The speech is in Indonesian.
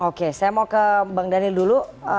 oke saya mau ke bang daniel dulu